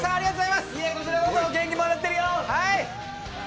いやこちらこそ、元気もらってるよ。